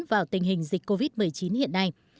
vào tình hình dịch covid một mươi chín hiện nay